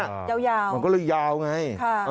มันยาวมันก็เลยยาวไง